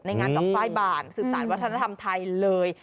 ในงานกลางฝ่ายบานสื่อต่านวัฒนธรรมไทยเลย